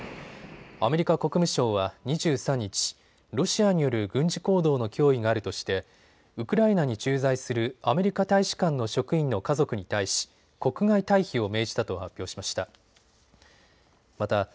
アメリカ国務省は２３日、ロシアによる軍事行動の脅威があるとしてウクライナに駐在するアメリカ大使館の職員の家族に対し国外退避を命じたと発表しました。